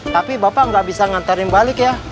tapi bapak nggak bisa nganterin balik ya